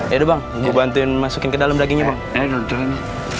yaudah bang gua bantuin masukin ke dalam dagingnya bang